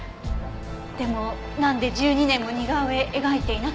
でもなんで１２年も似顔絵描いていなかったんですか？